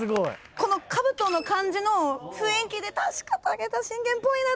このかぶとの感じの雰囲気で確か武田信玄っぽいなと思って。